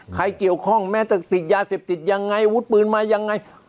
ใครเกี่ยวข้องแม้จะติดยาเสพติดยังไงวุฒิปืนมายังไง